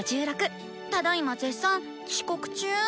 只今絶賛遅刻中！